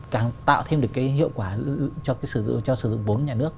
càng tạo thêm được cái hiệu quả cho sử dụng bốn nhà nước